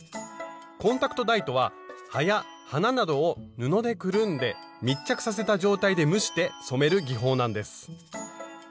コンタクトダイとは葉や花などを布でくるんで密着させた状態で蒸して染める技法なんです。